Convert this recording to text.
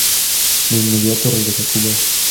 De inmediato, regresó a Cuba.